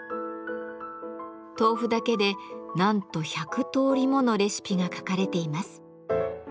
豆腐だけでなんと１００とおりものレシピが書かれています。